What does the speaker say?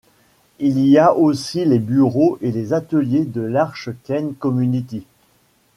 Il y a aussi les bureaux et les ateliers de L'Arche Kent Community..